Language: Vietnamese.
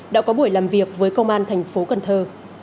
đã có buổi làm việc với công an thành phố cần thơ